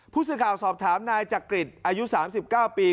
ผู้สื่อข่าวสอบถามนายจักริจอายุสามสิบเก้าปี